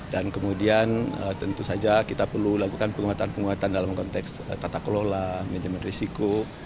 dan kemudian tentu saja kita perlu lakukan penguatan penguatan dalam konteks tata kelola manajemen resiko